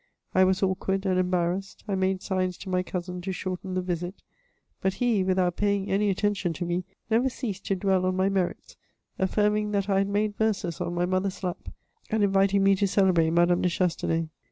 I was awkward and embarrassed ; I made signs to my cousin to shorten the visit. But he, without paying any attention to me, never ceased to dwell on my merits, affirming that I had made verses on my mother's lap^ and inviting me to celebrate Madame de Chas tenay.